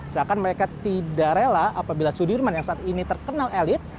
seakan mereka tidak rela apabila sudirman yang saat ini terkenal elit